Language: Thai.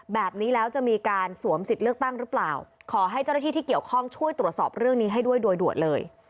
แบบนี้แล้วจะมีการสวมสิทธิ์เลือกตั้งหรือเปล่าขอให้เจ้าหน้าที่ที่เกี่ยวข้องช่วยตรวจสอบเรื่องนี้ให้ด้วยโดยด่วนเลย